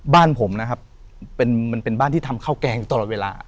บ้านผมนะครับมันเป็นบ้านที่ทำข้าวแกงอยู่ตลอดเวลา